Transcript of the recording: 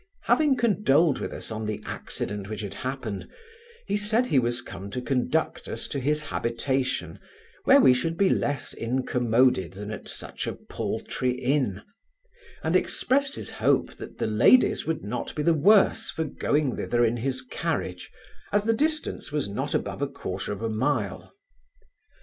Having condoled with us on the accident which had happened, he said he was come to conduct us to his habitation, where we should be less incommoded than at such a paultry inn, and expressed his hope that the ladies would not be the worse for going thither in his carriage, as the distance was not above a quarter of a mile.